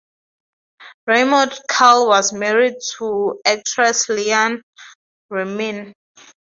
Raimund Kull was married to actress Liina Reiman.